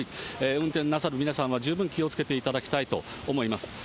運転なさる皆さんは十分気をつけていただきたいと思います。